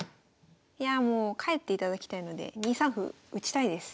いやもう帰っていただきたいので２三歩打ちたいです。